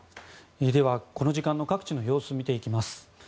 では、この時間の各地の様子を見ていきます。